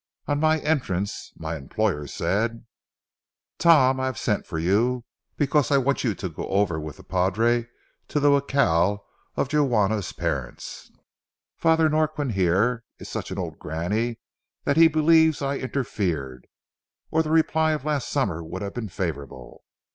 On my entrance, my employer said:— "Tom, I have sent for you because I want you to go over with the padre to the jacal of Juana's parents. Father Norquin here is such an old granny that he believes I interfered, or the reply of last summer would have been favorable.